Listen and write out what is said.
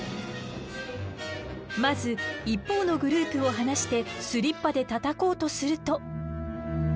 まず一方のグループを放してスリッパでたたこうとすると。